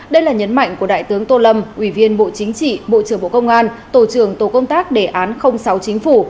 đây là nhấn mạnh của đại tướng tô lâm ủy viên bộ chính trị bộ trưởng bộ công an tổ trưởng tổ công tác đề án sáu chính phủ